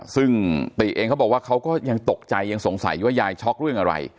ซึ่งติเองเขาบอกว่าเขาก็ยังตกใจยังสงสัยว่ายายช็อกเรื่องอะไร